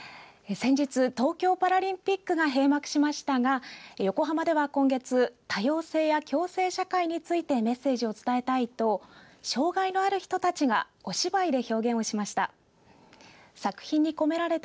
先日、東京パラリンピックが閉幕しましたが横浜では今月多様性や共生社会についてメッセージを伝えたいと障害のある人たちがお芝居で表現しました。